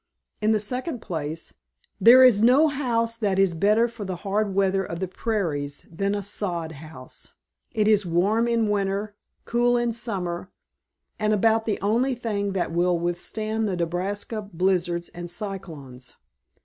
In the second place, there is no house that is better for the hard weather of the prairies than a sod house. It is warm in winter, cool in summer, and about the only thing that will withstand the Nebraska blizzards and cyclones.